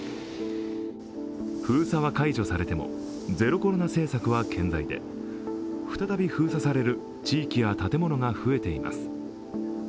封鎖は解除されてもゼロコロナ政策は健在で、再び封鎖される地域や建物が増えています。